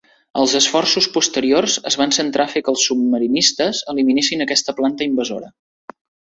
Els esforços posteriors es van centrar a fer que els submarinistes eliminessin aquesta planta invasora.